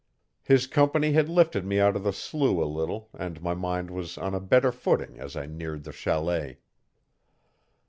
His company had lifted me out of the slough a little and my mind was on a better footing as I neared the chalet.